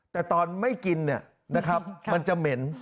แต่ตอนไม่กินเนี่ยนะครับมันจะเหม็น